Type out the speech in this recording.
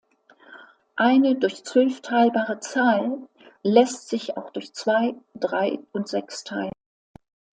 Eine durch zwölf teilbare Zahl lässt sich auch durch zwei, drei und sechs teilen.